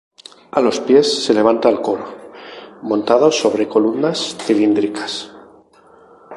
A los pies se levanta el coro, montado sobre columnas cilíndricas.